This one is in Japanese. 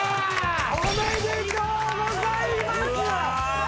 おめでとうございます！